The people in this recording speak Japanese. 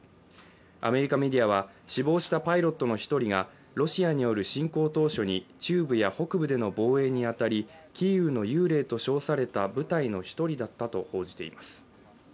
アメリカメディアは死亡したパイロットの１人がロシアによる侵攻当初に中部や北部での防衛に当たりキーウの幽霊と称された部隊の１人だったと報じています。